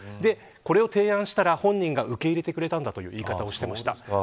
これを提案したら本人が受け入れたという言い方をしていました。